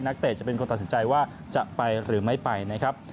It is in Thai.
เตะจะเป็นคนตัดสินใจว่าจะไปหรือไม่ไปนะครับ